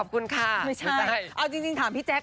ขอบคุณค่ะไม่ใช่เอาจริงถามพี่แจ๊ค